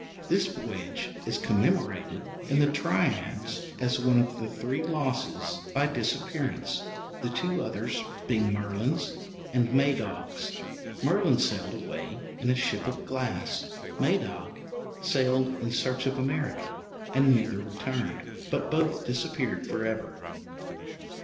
This voyage is commemorated in the triads as one of the Three Losses by Disappearance, the two others being Merlin's and Madog's. Merlin sailed away in a ship of glass; Madog sailed in search of America; and neither returned, but both disappeared for ever.